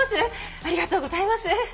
ありがとうございます！